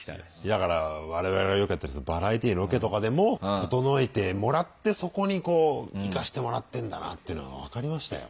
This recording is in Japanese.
だから我々がよくやってるバラエティーのロケとかでも整えてもらってそこにこう行かしてもらってんだなっていうのが分かりましたよ。